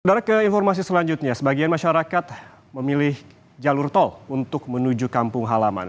kita ke informasi selanjutnya sebagian masyarakat memilih jalur tol untuk menuju kampung halaman